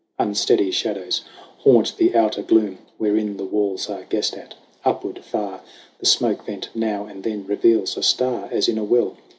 Unsteady shadows haunt the outer gloom Wherein the walls are guessed at. Upward, far, The smoke vent now and then reveals a star As in a well.